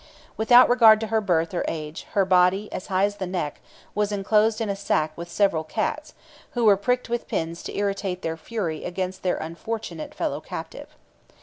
Without regard to her birth or age, her body, as high as the neck, was enclosed in a sack with several cats, who were pricked with pins to irritate their fury against their unfortunate fellow captive.